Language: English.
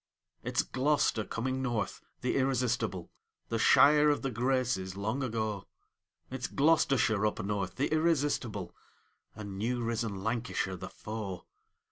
It's Glo'ster coming North, the irresistible, The Shire of the Graces , long ago! It's Gloucestershire up North, the irrestistable, And new risen Lancashire the foe!